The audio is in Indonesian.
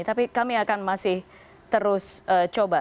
tapi kami akan masih terus coba